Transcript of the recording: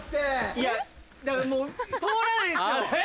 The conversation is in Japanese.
いやだからもう通らないんですよ。